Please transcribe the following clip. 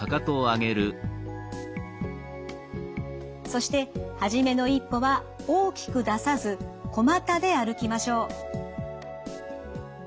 そして初めの一歩は大きく出さず小股で歩きましょう。